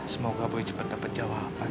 semoga boy cepet cepet jawaban